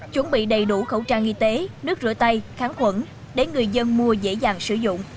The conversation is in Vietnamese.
chuẩn bị đầy đủ khẩu trang y tế nước rửa tay kháng khuẩn để người dân mua dễ dàng sử dụng